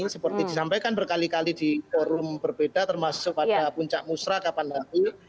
seperti disampaikan berkali kali di forum berbeda termasuk pada puncak musrah kapan nanti